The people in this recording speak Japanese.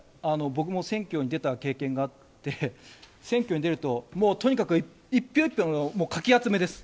僕も選挙に出た経験があって、選挙に出ると、もうとにかく一票一票のかき集めです。